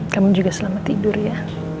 kamu juga selamat tidur ya